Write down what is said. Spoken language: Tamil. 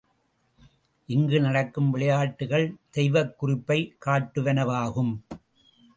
இங்கு நடக்கும் விளையாட்டுக்கள் தெய்வக் குறிப்பையும் காட்டுவனவாகும்.